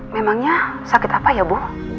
memangnya sakit apa ya bu